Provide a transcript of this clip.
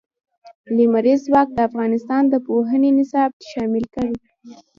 لمریز ځواک د افغانستان د پوهنې نصاب کې شامل دي.